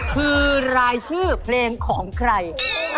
คือรายชื่อเพลงของใคร